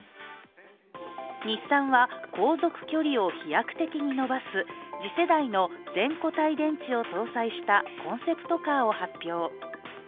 日産は、航続距離を飛躍的に伸ばす次世代の全固体電池を搭載したコンセプトカーを発表。